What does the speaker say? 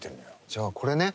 じゃあこれね？